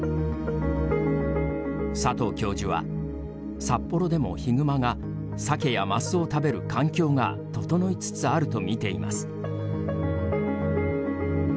佐藤教授は札幌でもヒグマがサケやマスを食べる環境が整いつつあるとみています。